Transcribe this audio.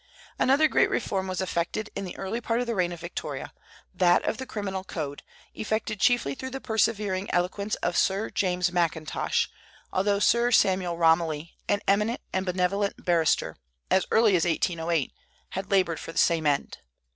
Another great reform was effected in the early part of the reign of Victoria, that of the criminal code, effected chiefly through the persevering eloquence of Sir James Mackintosh; although Sir Samuel Romilly, an eminent and benevolent barrister, as early as 1808, had labored for the same end.